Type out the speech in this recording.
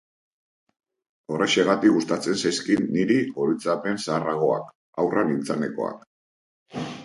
Horrexegatik gustatzen zaizkit niri oroitzapen zaharragoak, haurra nintzenekoak.